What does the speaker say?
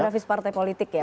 grafis partai politik ya